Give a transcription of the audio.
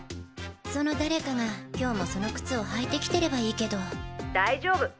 その誰かが今日もその靴を履いて来てればいいけど。大丈夫！